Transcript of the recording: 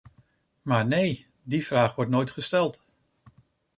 Maar nee, die vraag wordt nooit gesteld.